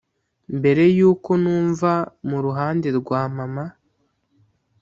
mbere yuko numva mu ruhande rwa mama